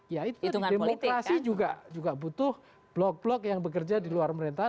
ya itu di demokrasi juga butuh blok blok yang bekerja di luar pemerintahan